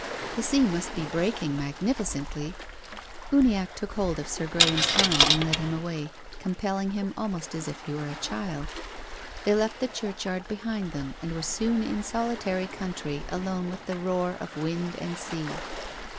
The sea must be breaking magnificently." THE GRAVE. 59 Uniacke took Sir Graham's arm and led him away, compelling him almost as if he were a child. They left the churchyard behind them, and were soon in solitary country alone with the roar of wind and sea.